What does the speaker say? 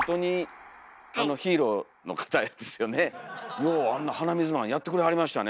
ようあんな鼻水マンやってくれはりましたね。